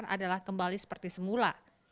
adalah kembali seperti semula